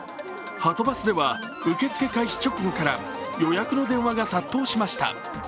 はとバスでは受付開始直後から予約の電話が殺到しました。